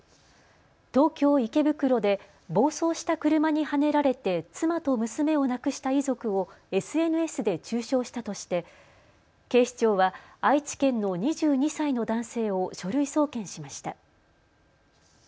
東京池袋で暴走した車にはねられて妻と娘を亡くした遺族をＳＮＳで中傷したとして警視庁は愛知県の２２歳の男性を書類送検しました。